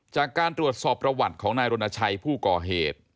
จากการตรวจสอบประวัติของนายรณชัยผู้ก่อเหตุ